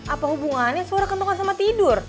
apa hubungannya suara kentongan sama tidur